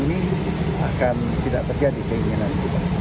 ini akan tidak terjadi keinginan kita